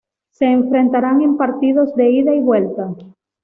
Se enfrentarán en partidos de ida y vuelta.